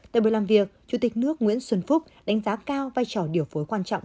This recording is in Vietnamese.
tại bữa làm việc chủ tịch nước nguyễn xuân phúc đánh giá cao vai trò điều phối quan trọng